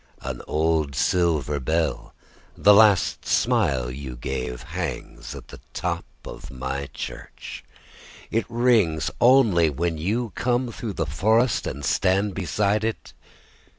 An old silver bell, the last smile you gave, Hangs at the top of my church.It rings only when you come through the forestAnd stand beside it.